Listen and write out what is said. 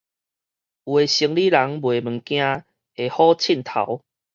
有的生理人賣物件會唬秤頭